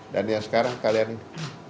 dan yang sekarang kalian ini